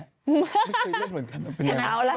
ไม่เคยเล่นเหมือนกัน